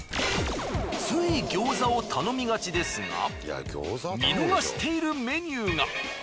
つい餃子を頼みがちですが見逃しているメニューが。